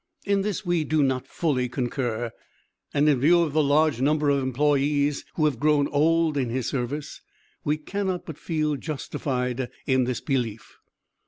In this we do not fully concur, and in view of the large number of employes who have grown old in his service, we cannot but feel justified in this belief.